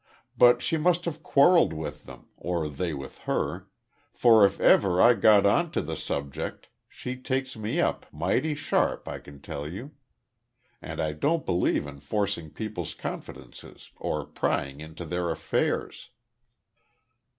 But she must have quarrelled with them, or they with her, for if ever I got on to the subject she takes me up mighty sharp, I can tell you. And I don't believe in forcing people's confidences or prying into their affairs."